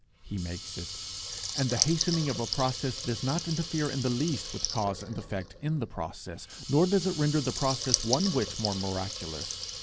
He makes it. And the hastening of a process does not interfere in the least with cause and effect in the process, nor does it render the process one whit more miraculous.